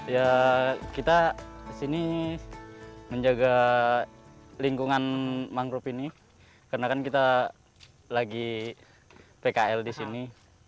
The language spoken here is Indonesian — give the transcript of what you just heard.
ya kita sini menjaga lingkungan mangrove ini karena kan kita lagi pkl di sini